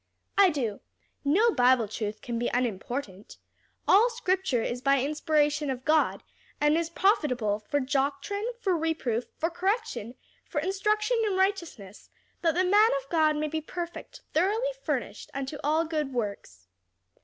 "I do; no Bible truth can be unimportant. 'All scripture is by inspiration of God, and is profitable for doctrine, for reproof, for correction, for instruction in righteousness: that the man of God may be perfect, thoroughly furnished unto all good works.'